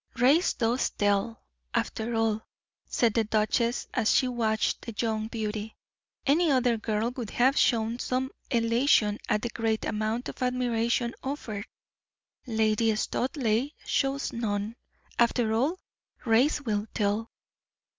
"Race does tell, after all," said the duchess, as she watched the young beauty. "Any other girl would have shown some elation at the great amount of admiration offered Lady Studleigh shows none. After all, race will tell."